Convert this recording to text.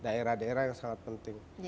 daerah daerah yang sangat penting